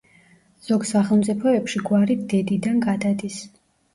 ზოგ სახელმწიფოებში გვარი დედიდან გადადის.